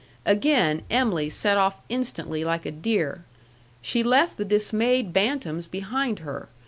Again Em'ly set off instantly like a deer. She left the dismayed bantams behind her.